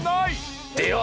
では。